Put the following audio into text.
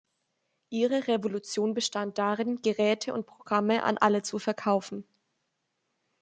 Ihre Revolution bestand darin, Geräte und Programme an alle zu verkaufen.